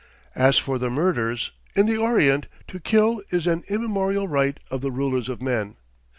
As for the murders in the Orient to kill is an immemorial right of the rulers of men.